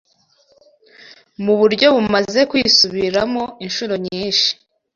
mu buryo bumaze kwisubiramo inshuro nyinshi